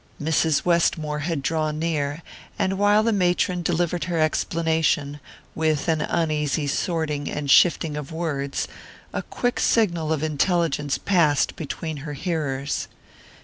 Mrs. Westmore had drawn near, and while the matron delivered her explanation, with an uneasy sorting and shifting of words, a quick signal of intelligence passed between her hearers.